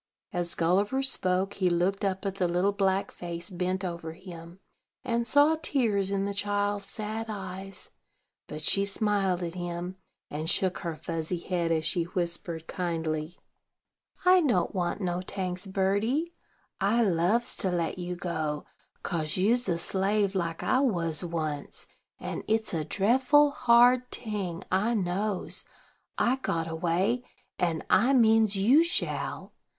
As Gulliver spoke, he looked up at the little black face bent over him, and saw tears in the child's sad eyes; but she smiled at him, and shook her fuzzy head, as she whispered kindly: "I don't want no tanks, birdie: I loves to let you go, kase you's a slave, like I was once; and it's a dreffle hard ting, I knows. I got away, and I means you shall.